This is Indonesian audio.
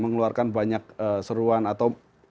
mengeluarkan banyak seruan atau